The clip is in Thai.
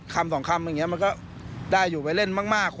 ก็ส่วนมากมันอาจไปเล่นมาก